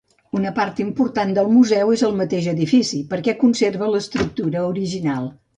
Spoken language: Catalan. Una part important del museu és el mateix edifici, perquè conserva l'estructura original.